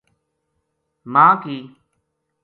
ماں ک